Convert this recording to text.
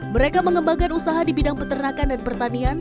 mereka mengembangkan usaha di bidang peternakan dan pertanian